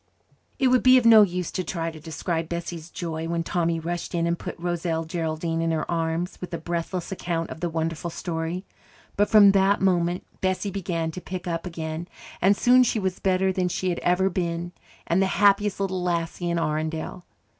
It would be of no use to try to describe Bessie's joy when Tommy rushed in and put Roselle Geraldine in her arms with a breathless account of the wonderful story. But from that moment Bessie began to pick up again, and soon she was better than she had ever been and the happiest little lassie in Arundel.